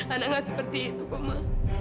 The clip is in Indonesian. ana enggak seperti itu ma